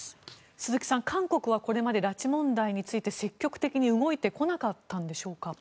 鈴木さん、韓国はこれまで拉致問題について積極的に動いてこなかったんでしょうか？